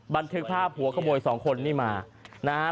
บันทึกภาพหัวขโมยสองคนนี่มานะฮะ